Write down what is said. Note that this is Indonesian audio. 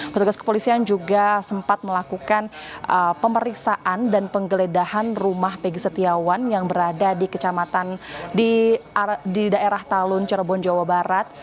petugas kepolisian juga sempat melakukan pemeriksaan dan penggeledahan rumah pegi setiawan yang berada di daerah talun cirebon jawa barat